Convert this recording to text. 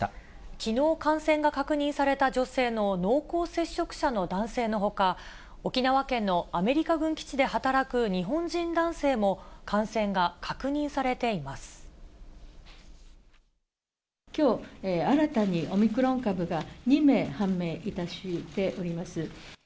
きのう感染が確認された女性の濃厚接触者の男性のほか、沖縄県のアメリカ軍基地で働く日本人男性も、きょう、新たにオミクロン株が２名判明いたしております。